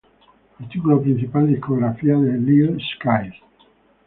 Artículo principal: Discografía de Lil Skies.